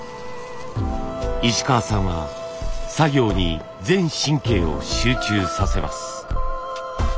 石川さんは作業に全神経を集中させます。